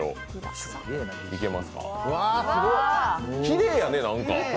きれいやね、なんか。